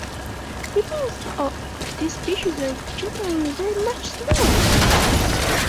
Females of this species are generally very much smaller than males.